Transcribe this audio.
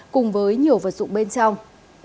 cùng với nhiều vật dụng bên trong